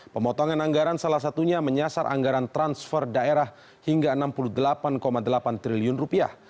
pemotongan anggaran salah satunya menyasar anggaran transfer daerah hingga enam puluh delapan delapan triliun rupiah